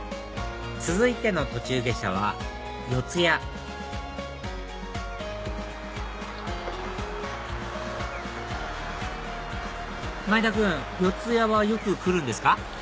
続いての途中下車は四ツ谷前田君四谷はよく来るんですか？